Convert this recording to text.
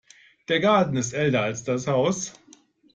Der Garten ist älter als das Haus.